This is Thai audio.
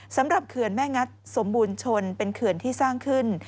เขื่อนแม่งัดสมบูรณ์ชนเป็นเขื่อนที่สร้างขึ้น